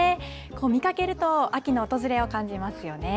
見かけると秋の訪れを感じますよね。